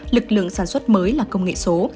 lực lượng sản xuất mới là công nghệ số